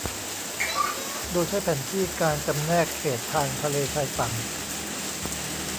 โดยใช้แผนที่การจำแนกเขตทางทะเลชายฝั่ง